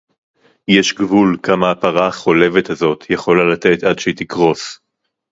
יש גבול כמה הפרה החולבת הזאת יכולה לתת עד שהיא תקרוס